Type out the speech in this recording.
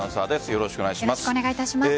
よろしくお願いします。